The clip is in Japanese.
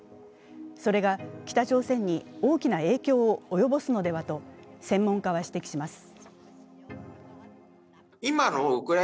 それが北朝鮮に大きな影響を及ぼすのではと、専門家は指摘します。